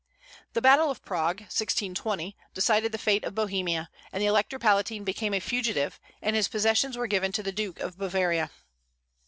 The battle of Prague (1620) decided the fate of Bohemia, and the Elector Palatine became a fugitive, and his possessions were given to the Duke of Bavaria.